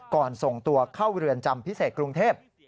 ส่งตัวเข้าเรือนจำพิเศษกรุงเทพ